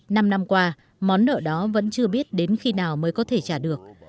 năm năm qua món nợ đó vẫn chưa biết đến khi nào mới có thể trả được